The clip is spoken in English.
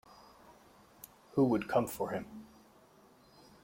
Who would come for him?